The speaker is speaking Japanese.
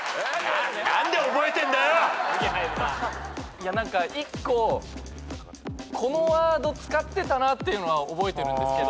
いや何か一個このワード使ってたなっていうの覚えてるんですけど。